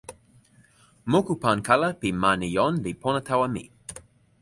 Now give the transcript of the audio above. moku pan kala pi ma Nijon li pona tawa mi.